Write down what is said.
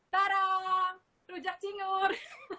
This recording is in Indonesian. tarang rejak timur